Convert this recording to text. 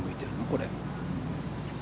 これ。